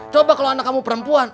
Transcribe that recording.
coba kalau anak kamu perempuan